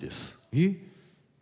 えっ？